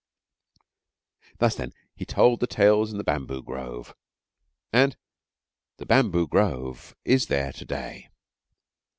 Thus, then, he told the tales in the bamboo grove, and the bamboo grove is there to day.